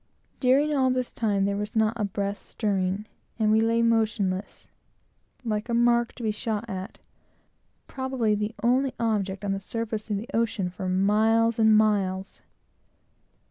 During all which time there was not a breath stirring, and we lay motionless, like a mark to be shot at, probably the only object on the surface of the ocean for miles and miles.